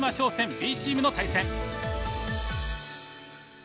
Ｂチームの対戦。